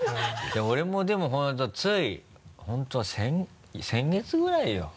俺もでも本当つい本当先月ぐらいよ。